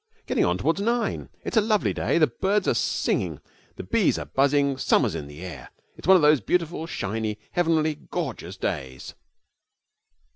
'Getting on towards nine. It's a lovely day. The birds are singing, the bees are buzzing, summer's in the air. It's one of those beautiful, shiny, heavenly, gorgeous days.'